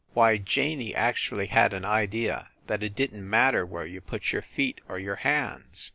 Why, Janey actually had an idea that it didn t matter where you put your feet or your hands.